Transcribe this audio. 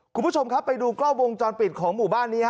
คุณผู้ชมครับไปดูกล้องวงจรปิดของหมู่บ้านนี้